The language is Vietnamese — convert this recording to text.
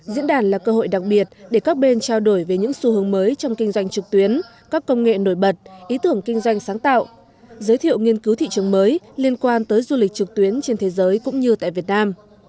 diễn đàn là cơ hội đặc biệt để các bên trao đổi về những xu hướng mới trong kinh doanh trực tuyến các công nghệ nổi bật ý tưởng kinh doanh sáng tạo giới thiệu nghiên cứu thị trường mới liên quan tới du lịch trực tuyến trên thế giới cũng như tại việt nam